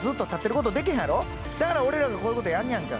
だから俺らがこういうことやんねやんか。